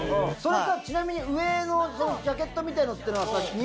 それさちなみに上のジャケットみたいのって。